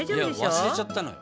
忘れちゃったのよ。